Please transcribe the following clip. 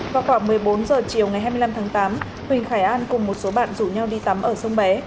vào khoảng một mươi bốn h chiều ngày hai mươi năm tháng tám huỳnh khải an cùng một số bạn rủ nhau đi tắm ở sông bé